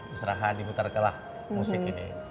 istirahat dimutar mutar musik ini